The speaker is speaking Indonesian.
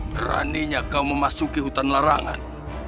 beraninya kau memasuki hutan larangan